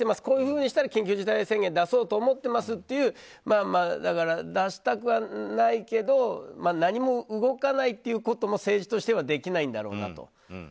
こういうふうにしたり緊急事態宣言出そうと思っていますという出したくはないけど何も動かないっていうことも政治としてはできないんだろうなと。